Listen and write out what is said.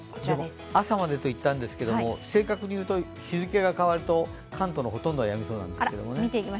朝までと言ったんですけれども、正確に言うと日付が変わると関東のほとんどはやみそうなんですけどね。